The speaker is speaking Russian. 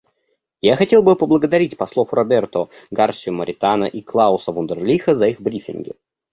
Я хотел бы поблагодарить послов Роберто Гарсию Моритана и Клауса Вундерлиха за их брифинги.